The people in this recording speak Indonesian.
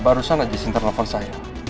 barusan aja sinter telepon saya